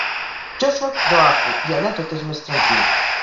Jo sóc d'Oahu, i allà tot és més tranquil.